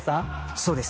そうです。